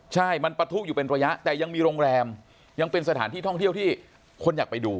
ใช่มันปะทุอยู่เป็นระยะแต่ยังมีโรงแรมยังเป็นสถานที่ท่องเที่ยวที่คนอยากไปดู